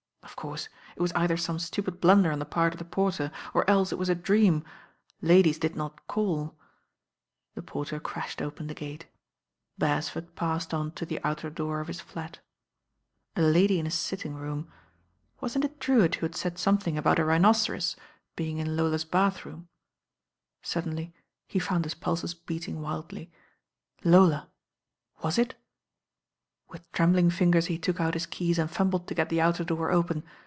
Of course, it was either some stupid blunder on the part of the porter, or else it was a dream. Ladies did not caU The por ter crashed open the gate. ■ Beresford passed on to the outer door of his Bat. A lady m his sitting room. Wasn't it Drcwitt who toad said something about a rhinoceros being in I 160 THE RAIN GIRL Lola's bathroom? Suddenly he found his pulses beating wildly. Lola I Was it With trembling fingers he took out his keys and fumbled to get the outer door open.